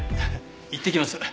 いってきます。